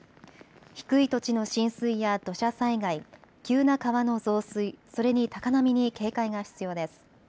低い土地の浸水や土砂災害、急な川の増水、それに高波に警戒が必要です。